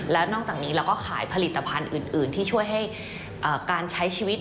แล้วนอกจากนี้เราก็ขายผลิตภัณฑ์อื่นที่ช่วยให้การใช้ชีวิต